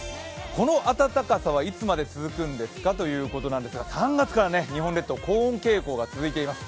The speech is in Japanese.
この暖かさはいつまで続くんですかということなんですが３月からね、日本列島高温傾向が続いています。